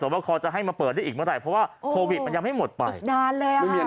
สวัสดีคอร์จะให้มาเปิดได้อีกเมื่อไหร่